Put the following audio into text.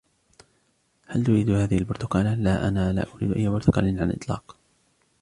هل تريد هذهِ البرتقالة؟ "لا, أنا لا أريد أي برتقال على الإطلاق."